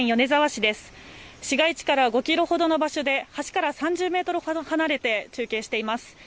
市街地から５キロほどの場所で橋から３０メートルほど離れて中継しています。